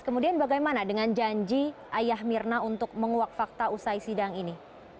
kemudian bagaimana dengan janji ayah mirna untuk menguak fakta usai sidang ini